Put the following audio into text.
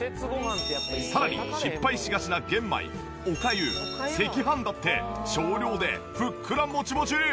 さらに失敗しがちな玄米おかゆ赤飯だって少量でふっくらモチモチ！